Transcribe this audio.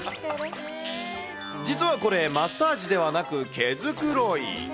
実はこれ、マッサージではなく、毛繕い。